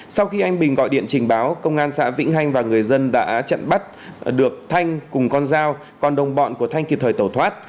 sau khi anh bình gọi điện trình báo công an xã vĩnh hanh và người dân đã chặn bắt được thanh cùng con dao còn đồng bọn của thanh kịp thời tẩu thoát